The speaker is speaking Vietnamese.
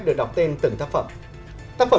được đọc tên từng tác phẩm tác phẩm